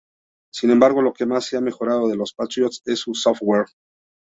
Sin embargo, lo que más se ha mejorado de los Patriots es su software.